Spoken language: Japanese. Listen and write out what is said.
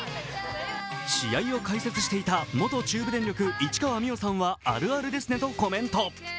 試合を解説していた元中部電力、市川美余さんはあるあるですねとコメント。